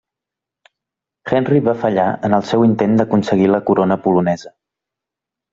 Henry va fallar en el seu intent d'aconseguir la corona polonesa.